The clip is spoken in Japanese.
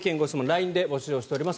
ＬＩＮＥで募集をしております。